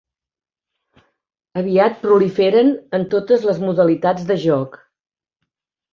Aviat proliferen en totes les modalitats de joc.